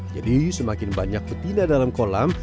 semakin banyak betina dalam kolam